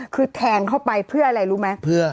คือแทงเข้าไปเพื่ออะไรรู้ไหม